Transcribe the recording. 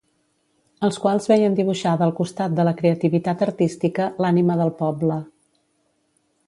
Els quals veien dibuixada al costat de la creativitat artística, l’ànima del poble.